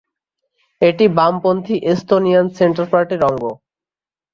এটি বামপন্থী Estonian centre পার্টির অঙ্গ।